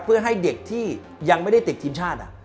เพื่อให้เด็กที่ยังไม่ได้ติดทีมชาติ